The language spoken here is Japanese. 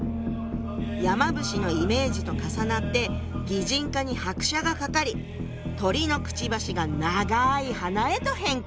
山伏のイメージと重なって擬人化に拍車がかかり鳥のクチバシが長い鼻へと変化！